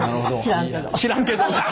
知らんけど。